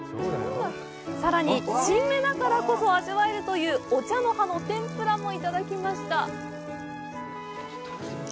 さらに、新芽だからこそ味わえるという、お茶の葉の天ぷらもいただきました。